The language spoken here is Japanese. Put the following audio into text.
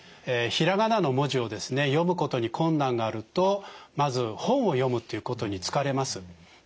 ひらがなの文字を読むことに困難があるとまず本を読むということに疲れます。